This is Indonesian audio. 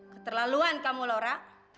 keterlaluan kamu laura